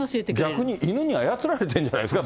逆に犬に操られてるんじゃないですか。